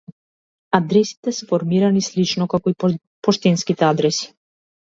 Адресите се формирани слично како и поштенските адреси.